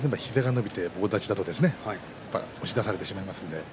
棒立ちだと押し出されてしまいます。